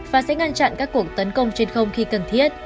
và sẽ ngăn chặn các cuộc tấn công trên không khi cần thiết